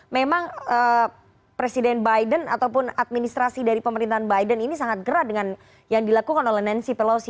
memang presiden biden ataupun administrasi dari pemerintahan biden ini sangat gerak dengan yang dilakukan oleh nancy pelosi